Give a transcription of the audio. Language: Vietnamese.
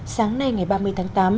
sáng nay ngày ba mươi tháng tám